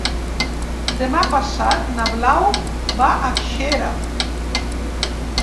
Demà passat na Blau va a Xera.